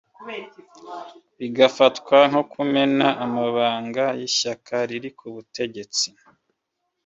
bigafatwa nko kumena amabanga y’ishyaka riri ku butegetsi